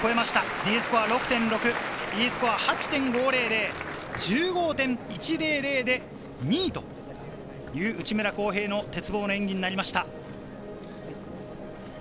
Ｄスコア６．６、Ｅスコア８．５００、１５．１００で２位という内村航平の鉄棒の演技になりました。